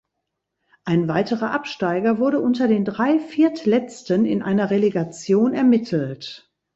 Ein weiterer Absteiger wurde unter den drei Viertletzten in einer Relegation ermittelt.